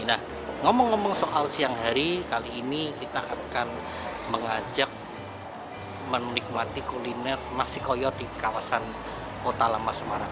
nah ngomong ngomong soal siang hari kali ini kita akan mengajak menikmati kuliner nasi koyor di kawasan kota lama semarang